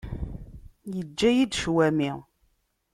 Yeǧǧa-yi-d ccwami.